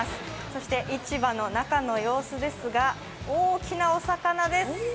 そして市場の中の様子ですが大きなお魚です。